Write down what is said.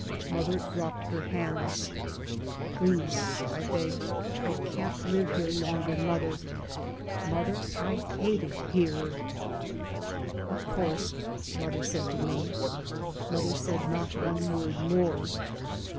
Mother dropped her hands. " Please," I begged. " I can't live here longer, mother. Mother, I hate it here 1 "" Of course," mother said to me. Mother said not one word more.